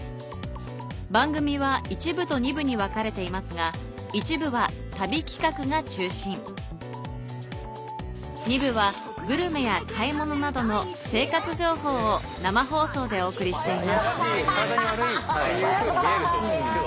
番組は１部と２部に分かれていますが１部は旅企画が中心２部はグルメや買い物などの生活情報を生放送でお送りしています